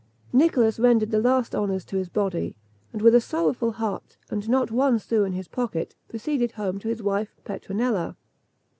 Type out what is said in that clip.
Nicholas rendered the last honours to his body; and with a sorrowful heart, and not one sou in his pocket, proceeded home to his wife Petronella.